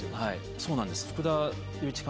そうなんです。